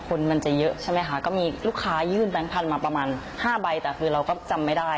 คนมันจะเยอะใช่ไหมคะก็มีลูกค้ายื่นแบงค์พันธุ์มาประมาณ๕ใบแต่คือเราก็จำไม่ได้